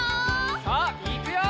さあいくよ！